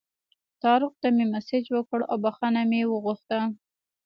طارق ته مې مسیج وکړ او بخښنه مې وغوښته.